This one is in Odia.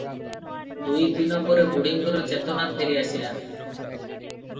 ଦୁଇ ଦିନପରେ ବୁଢ଼ୀଙ୍କର ଚେତନା ଫେରି ଅଇଲା ।